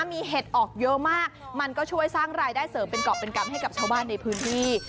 มีเห็ดออกเยอะมากมันก็ช่วยสร้างรายได้เสริมเป็นเกาะเป็นกรรมให้กับชาวบ้านในพื้นที่